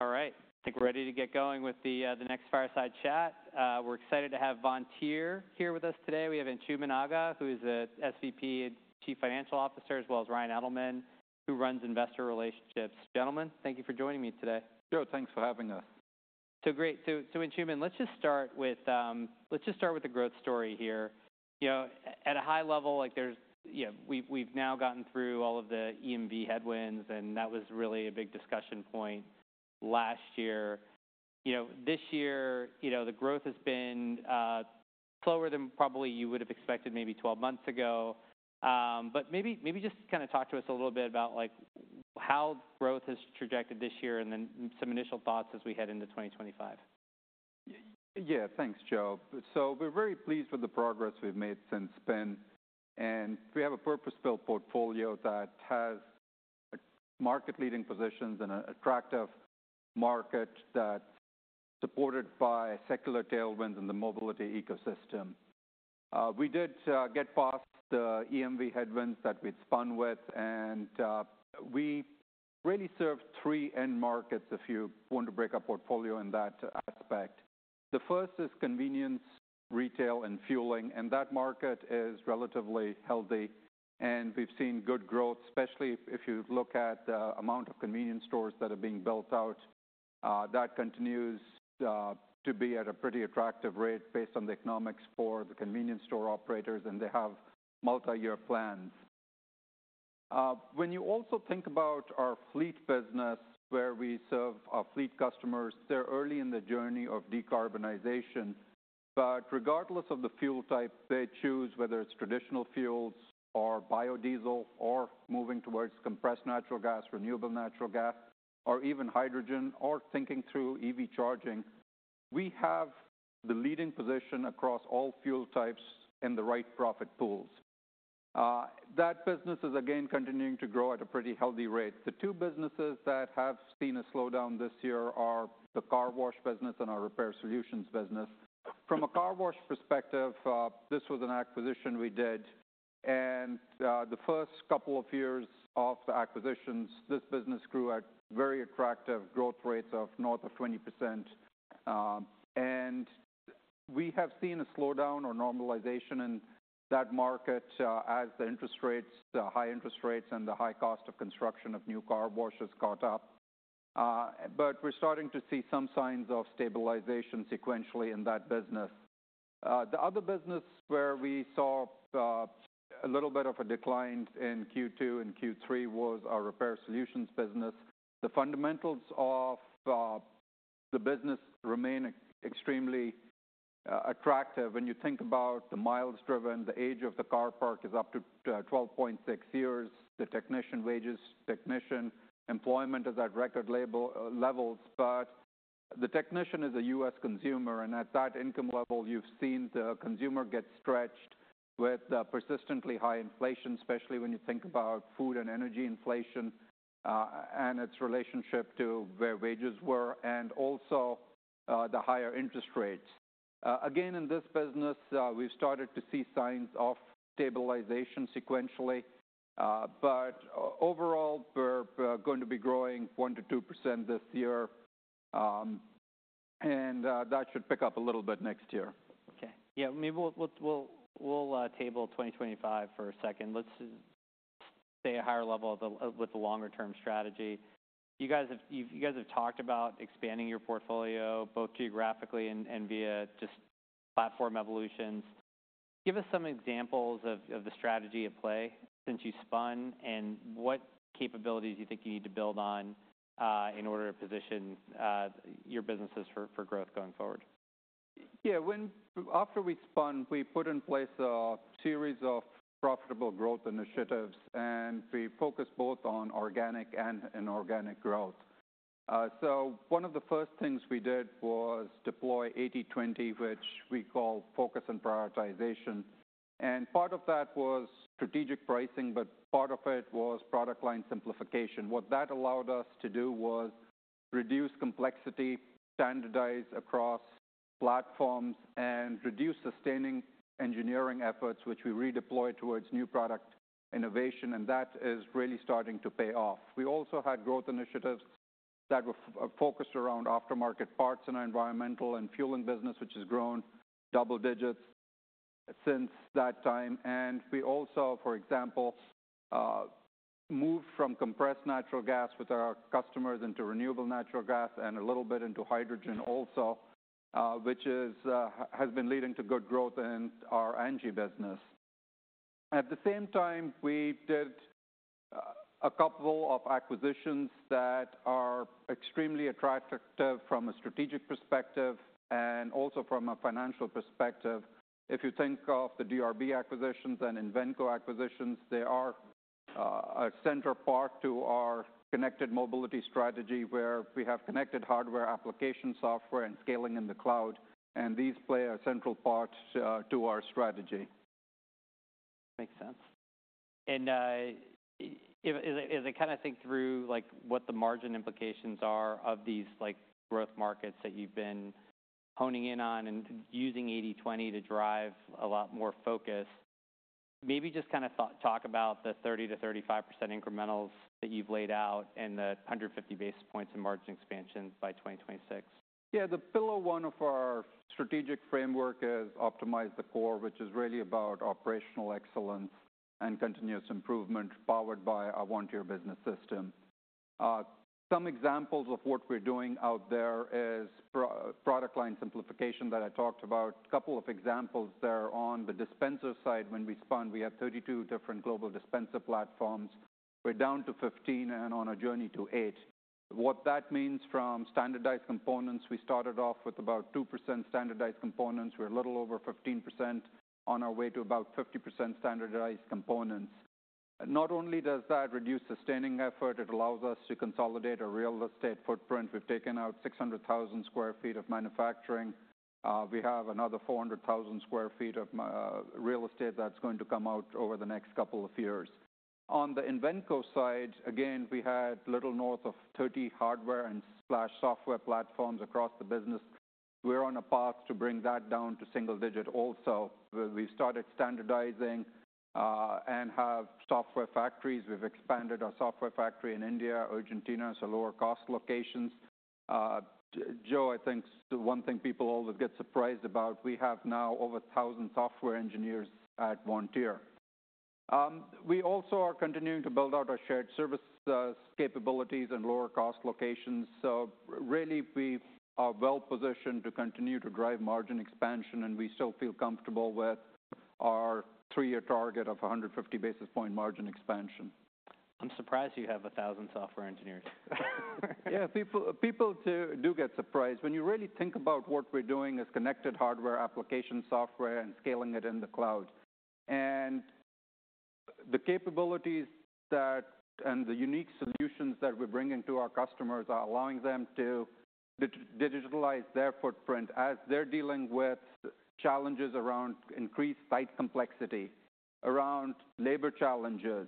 All right. I think we're ready to get going with the next fireside chat. We're excited to have Vontier here with us today. We have Anshooman Aga, who is the SVP and Chief Financial Officer, as well as Ryan Edelman, who runs investor relationships. Gentlemen, thank you for joining me today. Sure. Thanks for having us. Great. So, Anshooman, let's just start with the growth story here. You know, at a high level, like, there's, you know, we've now gotten through all of the EMV headwinds, and that was really a big discussion point last year. You know, this year, you know, the growth has been slower than probably you would've expected maybe 12 months ago. But maybe just kind of talk to us a little bit about like how growth has trajected this year and then some initial thoughts as we head into 2025. Yeah. Thanks, Joe. So we're very pleased with the progress we've made since then, and we have a purpose-built portfolio that has market-leading positions and an attractive market that's supported by secular tailwinds and the mobility ecosystem. We did get past the EMV headwinds that we'd spun with, and we really serve three end markets if you want to break our portfolio in that aspect. The first is convenience, retail, and fueling, and that market is relatively healthy, and we've seen good growth, especially if you look at the amount of convenience stores that are being built out. That continues to be at a pretty attractive rate based on the economics for the convenience store operators, and they have multi-year plans. When you also think about our fleet business, where we serve our fleet customers, they're early in the journey of decarbonization. But regardless of the fuel type they choose, whether it's traditional fuels or biodiesel or moving towards compressed natural gas, renewable natural gas, or even hydrogen, or thinking through EV charging, we have the leading position across all fuel types in the right profit pools. That business is again continuing to grow at a pretty healthy rate. The two businesses that have seen a slowdown this year are the Car Wash business and our Repair Solutions business. From a car wash perspective, this was an acquisition we did, and the first couple of years of the acquisitions, this business grew at very attractive growth rates of north of 20%. And we have seen a slowdown or normalization in that market, as the interest rates, high interest rates and the high cost of construction of new car washes caught up. But we're starting to see some signs of stabilization sequentially in that business. The other business where we saw a little bit of a decline in Q2 and Q3 was our Repair Solutions business. The fundamentals of the business remain extremely attractive when you think about the miles driven. The age of the car parc is up to 12.6 years. The technician wages technician employment is at record high levels, but the technician is a U.S. consumer, and at that income level, you've seen the consumer get stretched with persistently high inflation, especially when you think about food and energy inflation, and its relationship to where wages were and also the higher interest rates. Again, in this business, we've started to see signs of stabilization sequentially, but overall, we're going to be growing 1%-2% this year. And that should pick up a little bit next year. Okay. Yeah. Maybe we'll table 2025 for a second. Let's just stay at a higher level with the longer-term strategy. You guys have talked about expanding your portfolio both geographically and via just platform evolutions. Give us some examples of the strategy at play since you spun and what capabilities you think you need to build on in order to position your businesses for growth going forward. Yeah. When, after we spun, we put in place a series of profitable growth initiatives, and we focus both on organic and inorganic growth. So one of the first things we did was deploy 80/20, which we call focus and prioritization. And part of that was strategic pricing, but part of it was product line simplification. What that allowed us to do was reduce complexity, standardize across platforms, and reduce sustaining engineering efforts, which we redeployed towards new product innovation, and that is really starting to pay off. We also had growth initiatives that were focused around aftermarket parts in our environmental and fueling business, which has grown double digits since that time. And we also, for example, moved from compressed natural gas with our customers into renewable natural gas and a little bit into hydrogen also, which is, has been leading to good growth in our ANGI business. At the same time, we did a couple of acquisitions that are extremely attractive from a strategic perspective and also from a financial perspective. If you think of the DRB acquisitions and Invenco acquisitions, they are a central part to our connected mobility strategy where we have connected hardware application software and scaling in the cloud, and these play a central part to our strategy. Makes sense. And, is it, is it kind of think through like what the margin implications are of these like growth markets that you've been honing in on and using 80/20 to drive a lot more focus? Maybe just kind of thought, talk about the 30%-35% incrementals that you've laid out and the 150 basis points in margin expansion by 2026. Yeah. The pillar one of our strategic framework is optimize the core, which is really about operational excellence and continuous improvement powered by our Vontier Business System. Some examples of what we're doing out there is our product line simplification that I talked about. A couple of examples there on the dispenser side. When we spun, we had 32 different global dispenser platforms. We're down to 15 and on a journey to eight. What that means from standardized components, we started off with about 2% standardized components. We're a little over 15% on our way to about 50% standardized components. Not only does that reduce sustaining effort, it allows us to consolidate a real estate footprint. We've taken out 600,000 sq ft of manufacturing. We have another 400,000 sq ft of real estate that's going to come out over the next couple of years. On the Invenco side, again, we had little north of 30 hardware and slash software platforms across the business. We're on a path to bring that down to single digit also. We've started standardizing, and have software factories. We've expanded our software factory in India, Argentina, so lower cost locations. Joe, I think one thing people always get surprised about, we have now over 1,000 software engineers at Vontier. We also are continuing to build out our shared service, capabilities and lower cost locations. So really, we are well positioned to continue to drive margin expansion, and we still feel comfortable with our three-year target of 150 basis points margin expansion. I'm surprised you have 1,000 software engineers. Yeah. People, people do get surprised when you really think about what we're doing as connected hardware application software and scaling it in the cloud. And the capabilities that and the unique solutions that we're bringing to our customers are allowing them to digitalize their footprint as they're dealing with challenges around increased site complexity, around labor challenges.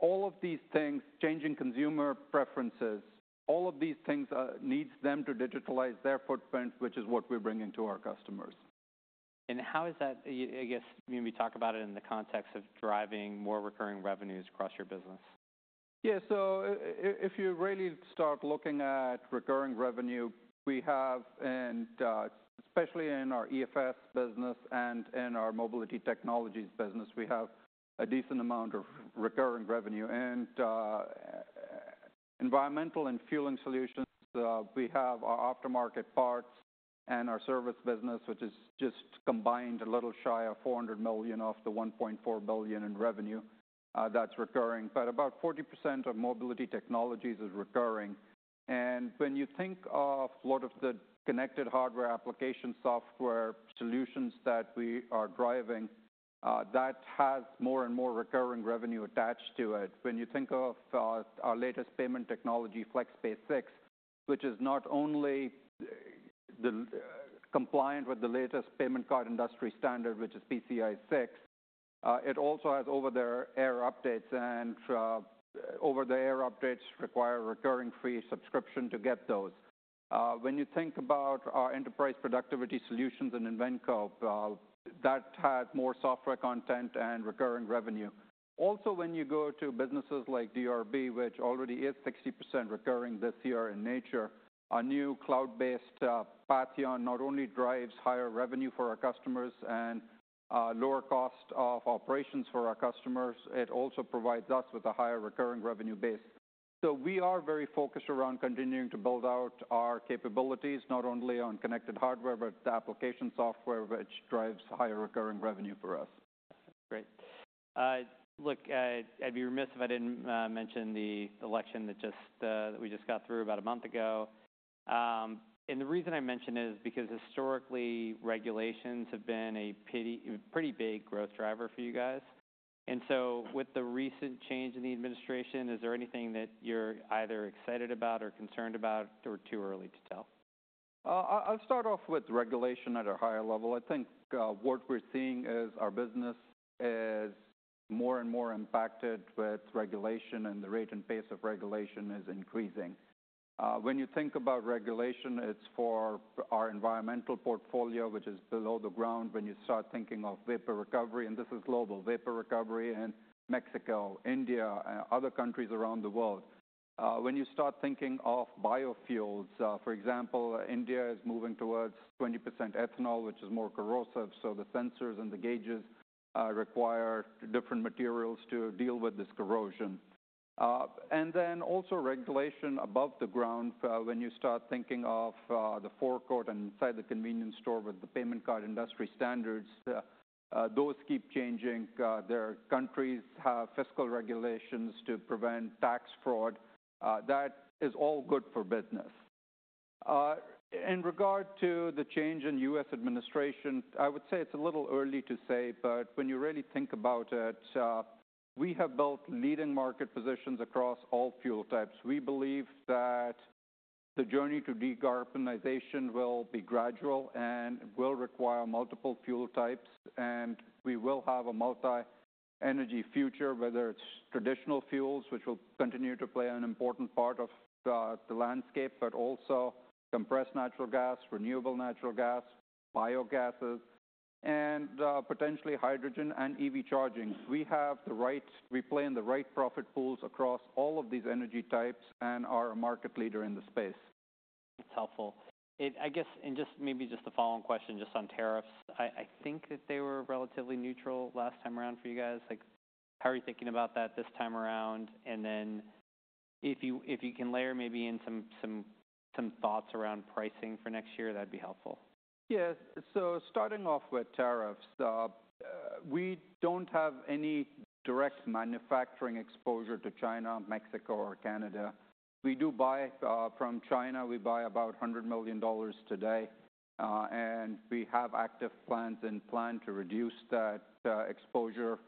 All of these things, changing consumer preferences, all of these things, needs them to digitalize their footprint, which is what we're bringing to our customers. How is that, I guess, when we talk about it in the context of driving more recurring revenues across your business? Yeah. So if you really start looking at recurring revenue, we have, and especially in our EFS business and in our Mobility Technologies business, we have a decent amount of recurring revenue, and Environmental & Fueling Solutions, we have our aftermarket parts and our service business, which is just combined a little shy of $400 million of the $1.4 billion in revenue, that's recurring, but about 40% of Mobility Technologies is recurring. And when you think of a lot of the connected hardware application software solutions that we are driving, that has more and more recurring revenue attached to it. When you think of our latest payment technology, FlexPay 6, which is not only compliant with the latest payment card industry standard, which is PCI 6, it also has over-the-air updates, and over-the-air updates require a recurring fee subscription to get those. When you think about our enterprise productivity solutions in Invenco, that has more software content and recurring revenue. Also, when you go to businesses like DRB, which already is 60% recurring this year in nature, a new cloud-based Patheon not only drives higher revenue for our customers and lower cost of operations for our customers, it also provides us with a higher recurring revenue base, so we are very focused around continuing to build out our capabilities, not only on connected hardware, but the application software, which drives higher recurring revenue for us. Great. Look, I'd be remiss if I didn't mention the election that we just got through about a month ago, and the reason I mention it is because historically, regulations have been a pretty big growth driver for you guys, and so with the recent change in the administration, is there anything that you're either excited about or concerned about or too early to tell? I'll start off with regulation at a higher level. I think what we're seeing is our business is more and more impacted with regulation, and the rate and pace of regulation is increasing. When you think about regulation, it's for our environmental portfolio, which is below the ground. When you start thinking of vapor recovery, and this is global vapor recovery in Mexico, India, and other countries around the world. When you start thinking of biofuels, for example, India is moving towards 20% ethanol, which is more corrosive. So the sensors and the gauges require different materials to deal with this corrosion, and then also regulation above the ground, when you start thinking of the forecourt and inside the convenience store with the payment card industry standards, those keep changing. There, countries have fiscal regulations to prevent tax fraud. That is all good for business. In regard to the change in U.S. administration, I would say it's a little early to say, but when you really think about it, we have built leading market positions across all fuel types. We believe that the journey to decarbonization will be gradual and will require multiple fuel types, and we will have a multi-energy future, whether it's traditional fuels, which will continue to play an important part of the landscape, but also compressed natural gas, renewable natural gas, biogases, and potentially hydrogen and EV charging. We have the right, we play in the right profit pools across all of these energy types and are a market leader in the space. That's helpful. I guess, just maybe the following question, just on tariffs. I think that they were relatively neutral last time around for you guys. Like, how are you thinking about that this time around? And then if you can layer in some thoughts around pricing for next year, that'd be helpful. Yeah. So starting off with tariffs, we don't have any direct manufacturing exposure to China, Mexico, or Canada. We do buy from China. We buy about $100 million today, and we have active plans in place to reduce that exposure.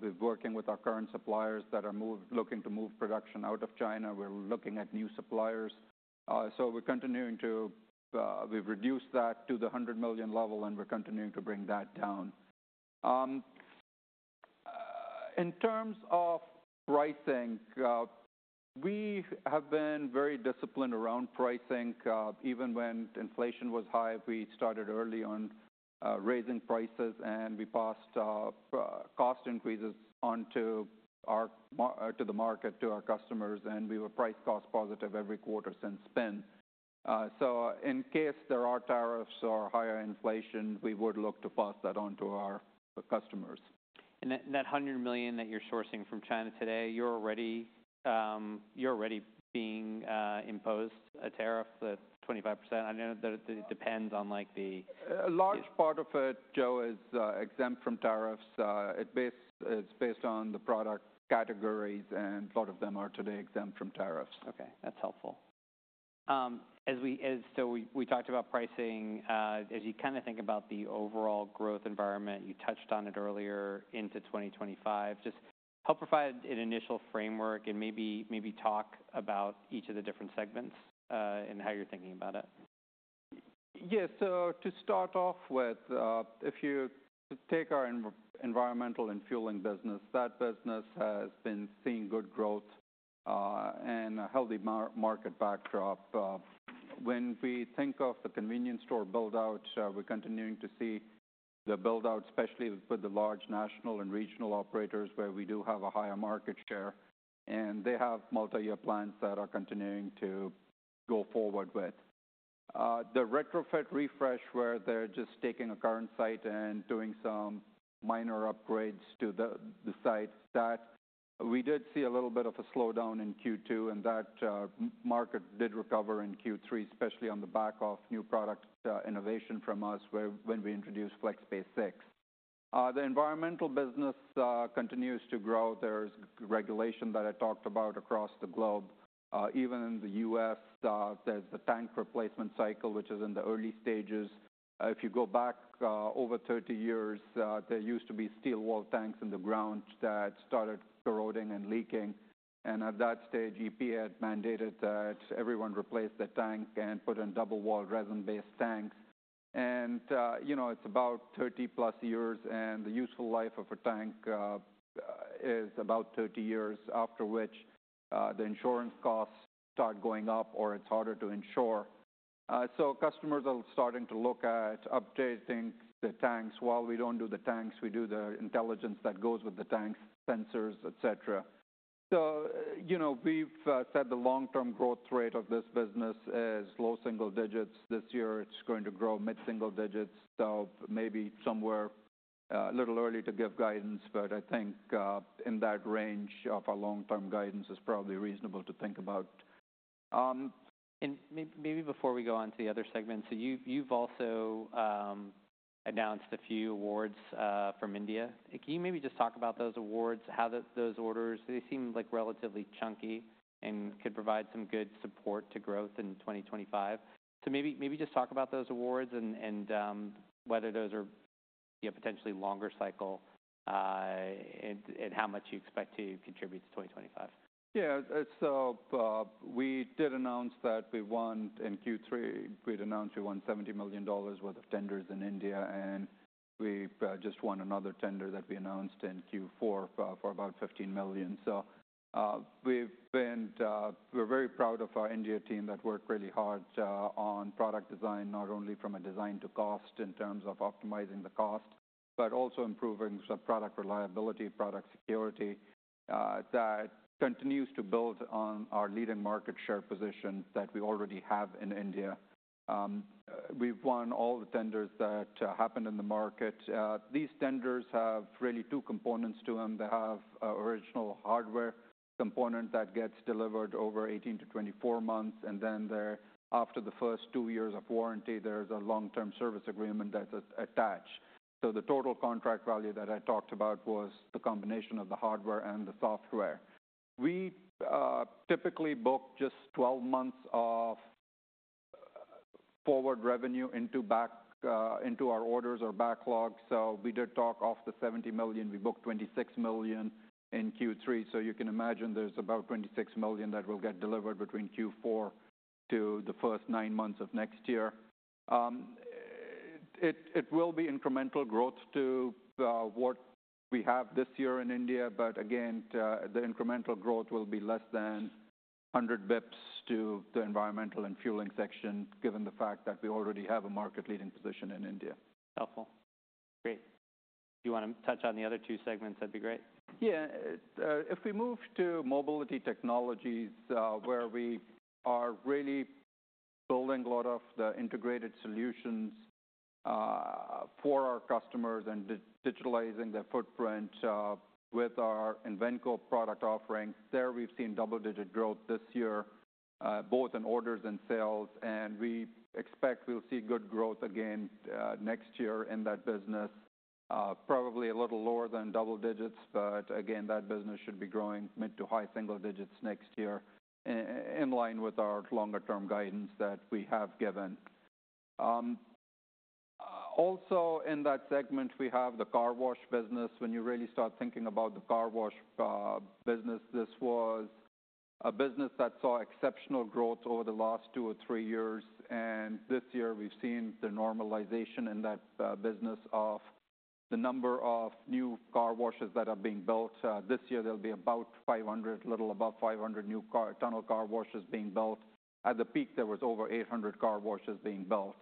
We're working with our current suppliers that are moving, looking to move production out of China. We're looking at new suppliers. So we've reduced that to the $100 million level, and we're continuing to bring that down. In terms of pricing, we have been very disciplined around pricing. Even when inflation was high, we started early on raising prices, and we passed cost increases on to the market, to our customers, and we were price cost positive every quarter since then. So in case there are tariffs or higher inflation, we would look to pass that on to our customers. That $100 million that you're sourcing from China today, you're already being imposed a tariff, the 25%? I know that it depends on like the. A large part of it, Joe, is exempt from tariffs. It's based on the product categories, and a lot of them are today exempt from tariffs. Okay. That's helpful. As we talked about pricing. As you kind of think about the overall growth environment, you touched on it earlier into 2025. Just help provide an initial framework and maybe talk about each of the different segments, and how you're thinking about it. Yeah. So to start off with, if you take our environmental and fueling business, that business has been seeing good growth, and a healthy market backdrop. When we think of the convenience store buildout, we're continuing to see the buildout, especially with the large national and regional operators where we do have a higher market share, and they have multi-year plans that are continuing to go forward with. The retrofit refresh where they're just taking a current site and doing some minor upgrades to the site, that we did see a little bit of a slowdown in Q2, and that market did recover in Q3, especially on the back of new product innovation from us where, when we introduced FlexPay 6. The environmental business continues to grow. There's regulation that I talked about across the globe. Even in the U.S., there's the tank replacement cycle, which is in the early stages. If you go back over 30 years, there used to be steel wall tanks in the ground that started corroding and leaking, and at that stage, EPA had mandated that everyone replace the tank and put in double-walled resin-based tanks, and you know, it's about 30+ years, and the useful life of a tank is about 30 years, after which the insurance costs start going up or it's harder to insure, so customers are starting to look at updating the tanks. While we don't do the tanks, we do the intelligence that goes with the tanks, sensors, etc., so you know, we've said the long-term growth rate of this business is low single digits. This year, it's going to grow mid-single digits. So, maybe somewhere a little early to give guidance, but I think in that range of our long-term guidance is probably reasonable to think about. Maybe before we go on to the other segment, so you've also announced a few awards from India. Can you maybe just talk about those awards, how those orders seem like relatively chunky and could provide some good support to growth in 2025? Maybe just talk about those awards and whether those are, you know, potentially longer cycle, and how much you expect to contribute to 2025. Yeah. We did announce that we won in Q3. We'd announced we won $70 million worth of tenders in India, and we just won another tender that we announced in Q4, for about $15 million. We've been. We're very proud of our India team that worked really hard on product design, not only from a design to cost in terms of optimizing the cost, but also improving some product reliability, product security, that continues to build on our leading market share position that we already have in India. We've won all the tenders that happened in the market. These tenders have really two components to them. They have an original hardware component that gets delivered over 18 to 24 months, and then they're after the first two years of warranty, there's a long-term service agreement that's attached. So the total contract value that I talked about was the combination of the hardware and the software. We typically book just 12 months of forward revenue into backlog, into our orders or backlog. So we did talk about the $70 million; we booked $26 million in Q3. So you can imagine there's about $26 million that will get delivered between Q4 to the first nine months of next year. It will be incremental growth to what we have this year in India, but again, the incremental growth will be less than 100 basis points to the environmental and fueling section, given the fact that we already have a market-leading position in India. Helpful. Great. Do you want to touch on the other two segments? That'd be great. Yeah. If we move to Mobility Technologies, where we are really building a lot of the integrated solutions, for our customers and digitalizing their footprint, with our Invenco product offering, there we've seen double-digit growth this year, both in orders and sales, and we expect we'll see good growth again, next year in that business, probably a little lower than double digits, but again, that business should be growing mid- to high-single digits next year, in line with our longer-term guidance that we have given. Also in that segment, we have the Car Wash business. When you really start thinking about the Car Wash business, this was a business that saw exceptional growth over the last two or three years. And this year, we've seen the normalization in that business of the number of new car washes that are being built. This year, there'll be about 500, a little above 500 new car tunnel car washes being built. At the peak, there was over 800 car washes being built.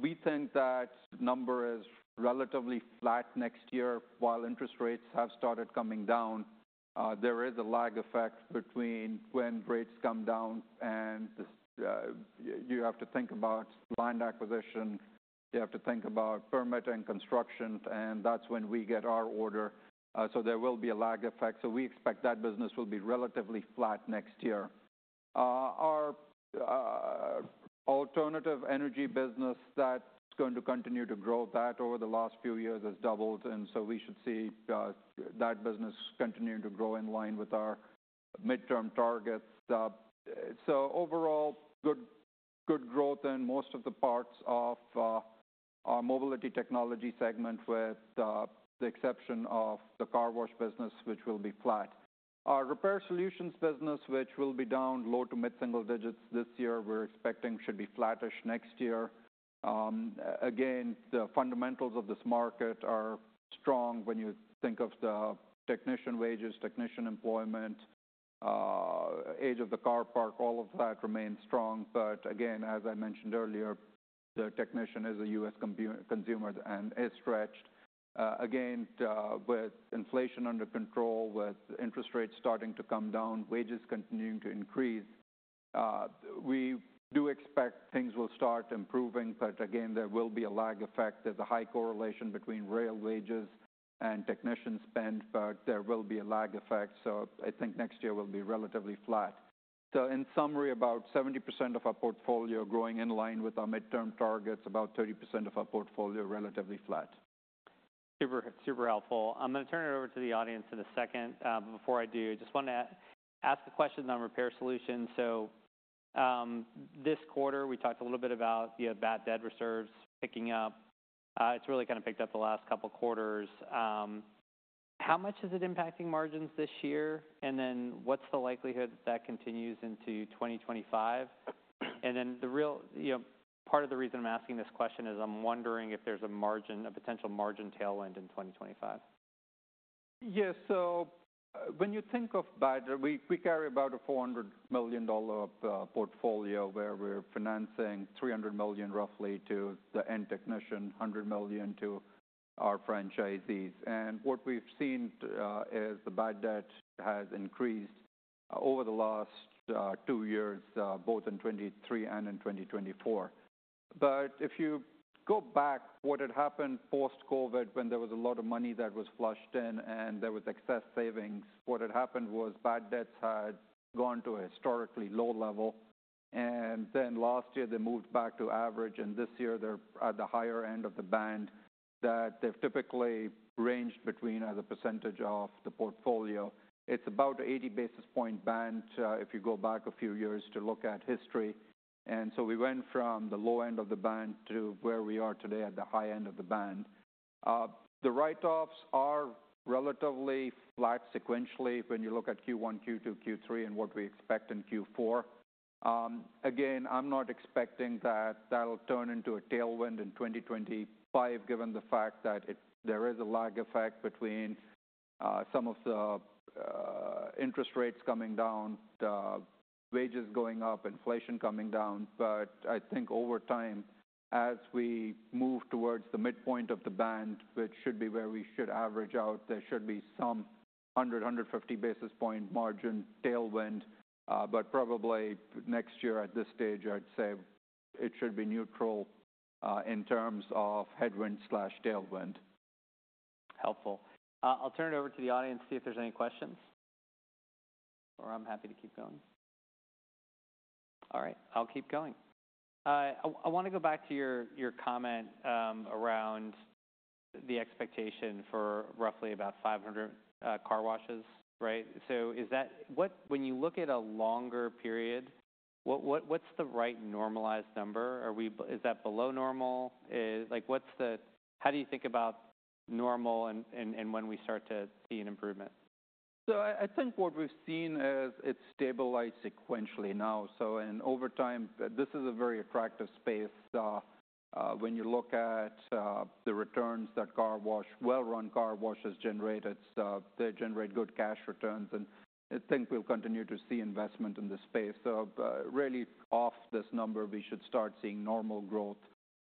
We think that number is relatively flat next year. While interest rates have started coming down, there is a lag effect between when rates come down and the, you have to think about land acquisition. You have to think about permitting construction, and that's when we get our order. So there will be a lag effect. So we expect that business will be relatively flat next year. Our alternative energy business that's going to continue to grow, that over the last few years has doubled, and so we should see that business continuing to grow in line with our midterm targets. So overall, good growth in most of the parts of our mobility technology segment with the exception of the Car Wash business, which will be flat. Our Repair Solutions business, which will be down low- to mid-single digits this year, we're expecting should be flattish next year. Again, the fundamentals of this market are strong when you think of the technician wages, technician employment, age of the car park. All of that remains strong. But again, as I mentioned earlier, the technician is a U.S. consumer and is stretched. Again, with inflation under control, with interest rates starting to come down, wages continuing to increase, we do expect things will start improving, but again, there will be a lag effect. There's a high correlation between real wages and technician spend, but there will be a lag effect. So I think next year will be relatively flat. So in summary, about 70% of our portfolio growing in line with our midterm targets, about 30% of our portfolio relatively flat. Super, super helpful. I'm going to turn it over to the audience in a second. But before I do, I just want to ask a question on Repair Solutions. So, this quarter, we talked a little bit about the bad debt reserves picking up. It's really kind of picked up the last couple quarters. How much is it impacting margins this year? And then what's the likelihood that that continues into 2025? And then the real, you know, part of the reason I'm asking this question is I'm wondering if there's a margin, a potential margin tailwind in 2025. Yeah. So when you think of bad debt, we carry about a $400 million portfolio where we're financing $300 million roughly to the end technician, $100 million to our franchisees. And what we've seen is the bad debt has increased over the last two years, both in 2023 and in 2024. But if you go back, what had happened post-COVID when there was a lot of money that was flushed in and there was excess savings, what had happened was bad debts had gone to a historically low level. And then last year, they moved back to average, and this year they're at the higher end of the band that they've typically ranged between as a percentage of the portfolio. It's about an 80 basis point band, if you go back a few years to look at history. And so we went from the low end of the band to where we are today at the high end of the band. The write-offs are relatively flat sequentially when you look at Q1, Q2, Q3, and what we expect in Q4. Again, I'm not expecting that that'll turn into a tailwind in 2025, given the fact that there is a lag effect between, some of the, interest rates coming down, wages going up, inflation coming down. But I think over time, as we move towards the midpoint of the band, which should be where we should average out, there should be some 100, 150 basis point margin tailwind. But probably next year at this stage, I'd say it should be neutral, in terms of headwind slash tailwind. Helpful. I'll turn it over to the audience, see if there's any questions, or I'm happy to keep going. All right. I'll keep going. I want to go back to your comment around the expectation for roughly about 500 car washes, right? So is that what, when you look at a longer period, what's the right normalized number? Are we, is that below normal? Like what's the, how do you think about normal and when we start to see an improvement? I think what we've seen is it's stabilized sequentially now. In over time, this is a very attractive space. When you look at the returns that car wash, well-run car washes generate, it's. They generate good cash returns, and I think we'll continue to see investment in this space. Really off this number, we should start seeing normal growth,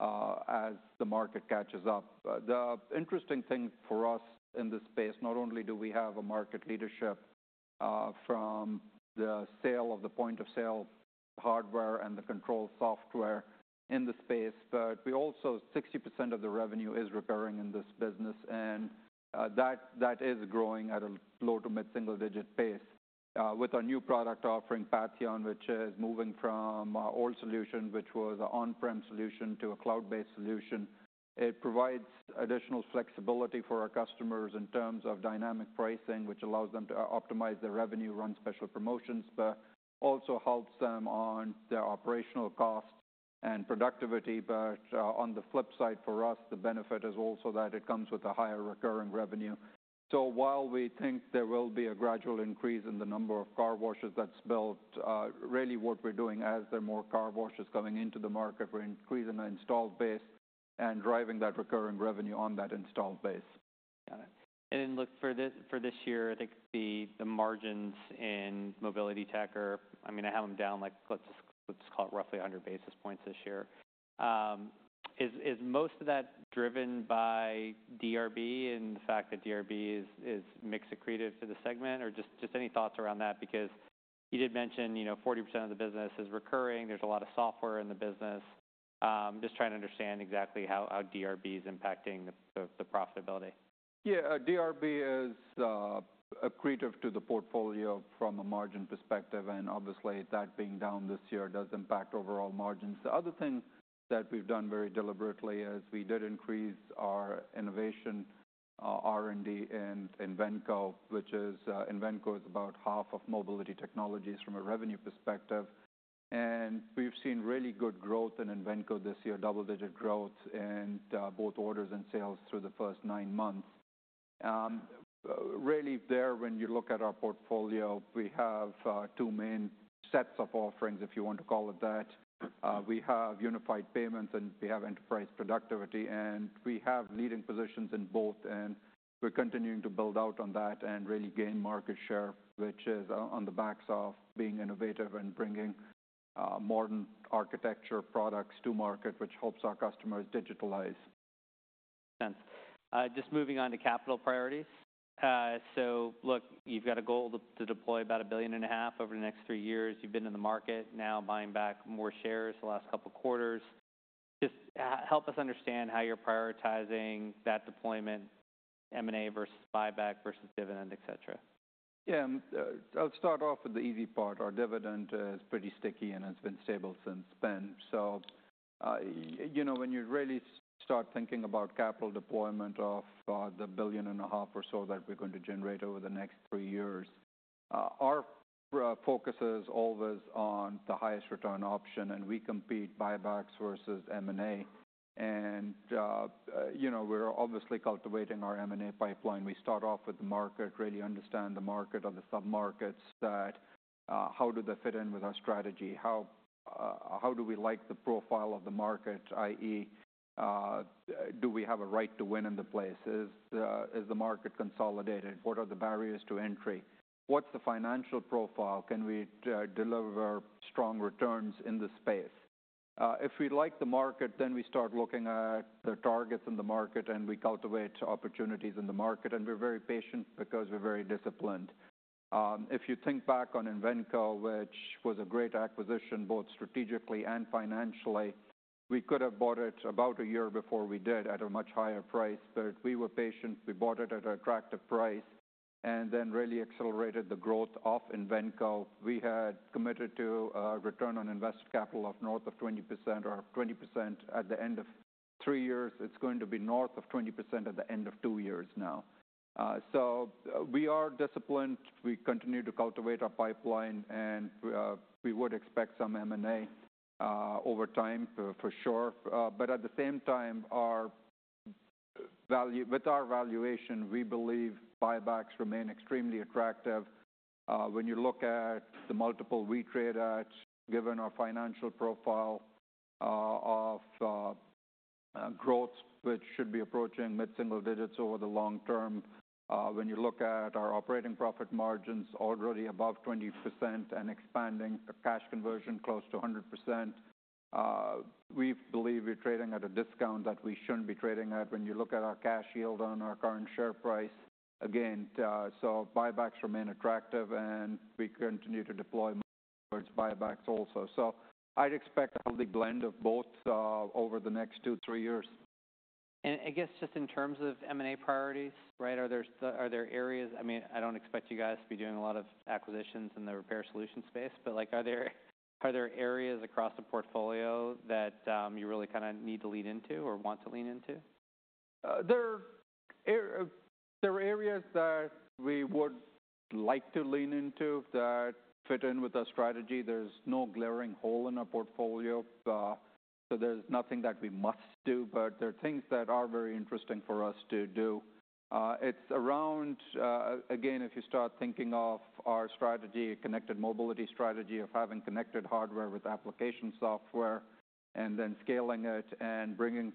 as the market catches up. The interesting thing for us in this space, not only do we have a market leadership, from the sale of the point of sale hardware and the control software in the space, but we also 60% of the revenue is recurring in this business. That is growing at a low to mid-single digit pace, with our new product offering, Patheon, which is moving from our old solution, which was an on-prem solution, to a cloud-based solution. It provides additional flexibility for our customers in terms of dynamic pricing, which allows them to optimize their revenue, run special promotions, but also helps them on their operational cost and productivity. But, on the flip side for us, the benefit is also that it comes with a higher recurring revenue. So while we think there will be a gradual increase in the number of car washes that's built, really what we're doing as there are more car washes coming into the market, we're increasing the installed base and driving that recurring revenue on that installed base. Got it. And then look for this for this year. I think the margins in mobility tech are, I mean, I have them down like, let's just call it roughly 100 basis points this year. Is most of that driven by DRB and the fact that DRB is mixed accretive to the segment? Or just any thoughts around that? Because you did mention, you know, 40% of the business is recurring. There's a lot of software in the business. Just trying to understand exactly how DRB is impacting the profitability. Yeah. DRB is accretive to the portfolio from a margin perspective, and obviously that being down this year does impact overall margins. The other thing that we've done very deliberately is we did increase our innovation, R&D in Invenco, which is, Invenco is about half of Mobility Technologies from a revenue perspective. And we've seen really good growth in Invenco this year, double-digit growth in both orders and sales through the first nine months. Really there when you look at our portfolio, we have two main sets of offerings, if you want to call it that. We have unified payments and we have enterprise productivity, and we have leading positions in both, and we're continuing to build out on that and really gain market share, which is on the backs of being innovative and bringing modern architecture products to market, which helps our customers digitalize. Makes sense. Just moving on to capital priorities. So look, you've got a goal to deploy about $1.5 billion over the next three years. You've been in the market now buying back more shares the last couple quarters. Just help us understand how you're prioritizing that deployment, M&A versus buyback versus dividend, etc.? Yeah. I'll start off with the easy part. Our dividend is pretty sticky and has been stable since then. So, you know, when you really start thinking about capital deployment of the $1.5 billion or so that we're going to generate over the next three years, our focus is always on the highest return option, and we compare buybacks versus M&A. And, you know, we're obviously cultivating our M&A pipeline. We start off with the market, really understand the market or the sub-markets that, how do they fit in with our strategy? How, how do we like the profile of the market, i.e., do we have a right to win in the place? Is, is the market consolidated? What are the barriers to entry? What's the financial profile? Can we deliver strong returns in the space? If we like the market, then we start looking at the targets in the market and we cultivate opportunities in the market, and we're very patient because we're very disciplined. If you think back on Invenco, which was a great acquisition both strategically and financially, we could have bought it about a year before we did at a much higher price, but we were patient. We bought it at an attractive price and then really accelerated the growth of Invenco. We had committed to a return on invested capital of north of 20% or 20% at the end of three years. It's going to be north of 20% at the end of two years now, so we are disciplined. We continue to cultivate our pipeline, and we would expect some M&A over time for sure. But at the same time, our value with our valuation, we believe buybacks remain extremely attractive. When you look at the multiple we trade at, given our financial profile, of growth, which should be approaching mid-single digits over the long term. When you look at our operating profit margins already above 20% and expanding cash conversion close to 100%, we believe we're trading at a discount that we shouldn't be trading at. When you look at our cash yield on our current share price, again, so buybacks remain attractive and we continue to deploy towards buybacks also. I'd expect a healthy blend of both, over the next two, three years. I guess just in terms of M&A priorities, right? Are there areas? I mean, I don't expect you guys to be doing a lot of acquisitions in the repair solution space, but like, are there areas across the portfolio that you really kind of need to lean into or want to lean into? There are areas that we would like to lean into that fit in with our strategy. There's no glaring hole in our portfolio, so there's nothing that we must do, but there are things that are very interesting for us to do. It's around, again, if you start thinking of our strategy, a connected mobility strategy of having connected hardware with application software and then scaling it and bringing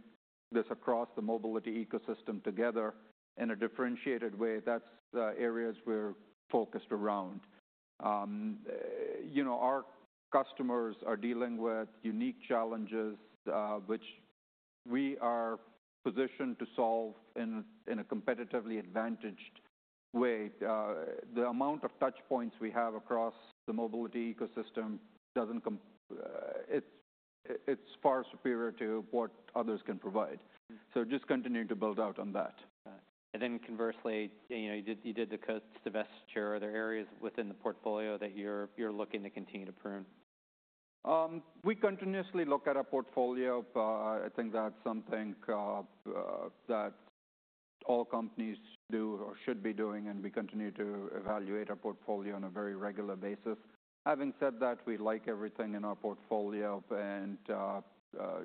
this across the mobility ecosystem together in a differentiated way. That's areas we're focused around. You know, our customers are dealing with unique challenges, which we are positioned to solve in a competitively advantaged way. The amount of touch points we have across the mobility ecosystem doesn't compare. It's far superior to what others can provide. So just continue to build out on that. Got it. And then conversely, you know, you did the divestiture. Are there areas within the portfolio that you're looking to continue to prune? We continuously look at our portfolio. I think that's something that all companies do or should be doing, and we continue to evaluate our portfolio on a very regular basis. Having said that, we like everything in our portfolio, and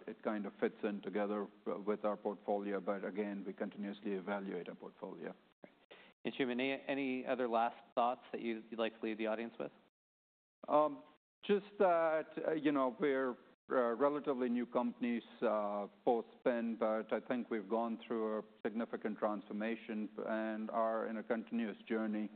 it kind of fits in together with our portfolio, but again, we continuously evaluate our portfolio. Anshooman, any other last thoughts that you'd like to leave the audience with? Just that, you know, we're relatively new companies post-SPIN, but I think we've gone through a significant transformation and are in a continuous journey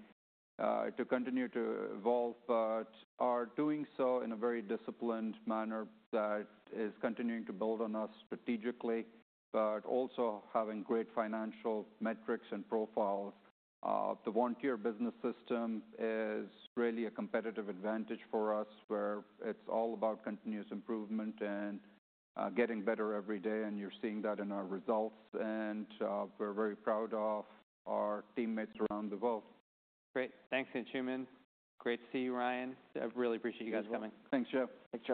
to continue to evolve, but are doing so in a very disciplined manner that is continuing to build on us strategically, but also having great financial metrics and profiles. The Vontier Business System is really a competitive advantage for us where it's all about continuous improvement and getting better every day. And you're seeing that in our results. And we're very proud of our teammates around the world. Great. Thanks, Anshooman. Great to see you, Ryan. I really appreciate you guys coming. Thanks, Joe. Thanks.